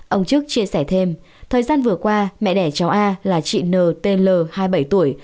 ông trức chia sẻ thêm thời gian vừa qua mẹ đẻ cháu a là chị n t l hai mươi bảy tuổi